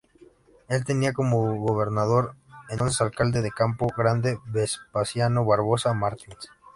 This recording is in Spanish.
Él tenía como gobernador entonces alcalde de Campo Grande, Vespasiano Barbosa Martins.